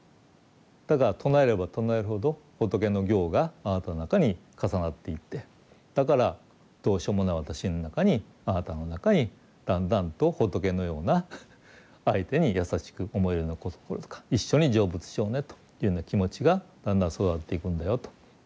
だから唱えれば唱えるほど仏の行があなたの中に重なっていってだからどうしようもない私の中にあなたの中にだんだんと仏のような相手に優しく思えるような心とか一緒に成仏しようねというような気持ちがだんだん育っていくんだよと。